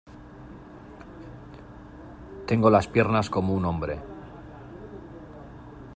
tengo las piernas como un hombre.